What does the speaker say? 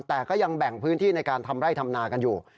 แต่ก็ยังแบ่งพื้นที่ในการทำไร่ทำนากันอยู่